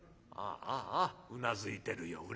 あああうなずいてるよ